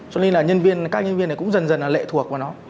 cho nên là các nhân viên này cũng dần dần lệ thuộc vào nó